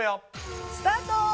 スタート。